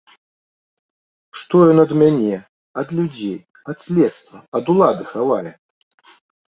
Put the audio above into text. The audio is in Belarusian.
Што ён ад мяне, ад людзей, ад следства, ад улады хавае?